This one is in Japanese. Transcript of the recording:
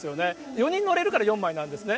４人乗れるから４枚なんですね。